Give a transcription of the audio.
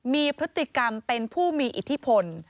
มีพฤติกรรมเป็นผู้มีอิทธิพล